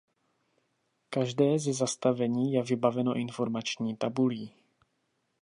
Každé ze zastavení je vybaveno informační tabulí.